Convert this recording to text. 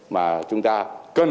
mà chúng ta có thể giải phóng